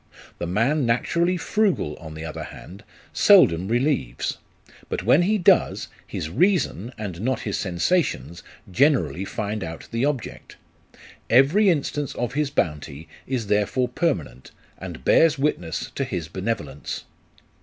The man naturally frugal, on the other hand, seldom relieves ; but when he does, his reason, and not his sensations, generally find out the object. Every instance of his bounty is therefore permanent, and bears witness to his benevolence.